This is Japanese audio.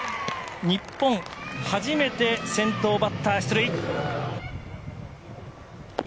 日本、初めて先頭バッター出塁。